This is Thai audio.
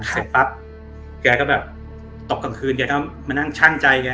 สับปับแกก็แบบตบกลางคืนก็มานั่งช่างใจ